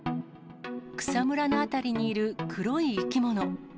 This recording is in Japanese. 草むらの辺りにいる黒い生き物。